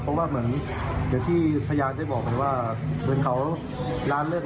เพราะว่าเหมือนอย่างที่พยานได้บอกไปว่าเหมือนเขาร้านเลิก